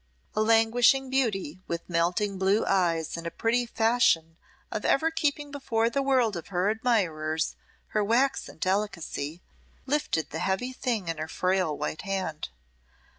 A languishing beauty, with melting blue eyes and a pretty fashion of ever keeping before the world of her admirers her waxen delicacy, lifted the heavy thing in her frail white hand.